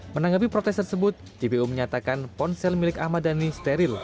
menanggapi protes tersebut jpu menyatakan ponsel milik ahmad dhani steril